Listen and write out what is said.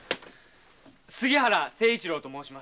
杉原清一郎と申します。